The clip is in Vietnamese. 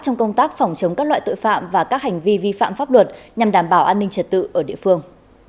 trong công tác phòng chống các loại tội phạm và các hành vi vi phạm pháp luật nhằm đảm bảo an ninh trật tự ở địa phương